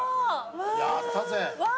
やったぜ。